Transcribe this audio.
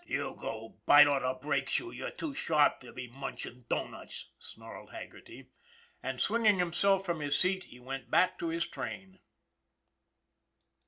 " You go bite on a brake shoe, you're too sharp to be munchin' doughnuts," snarled Haggerty. And, swinging himself from his seat, he went back to his train.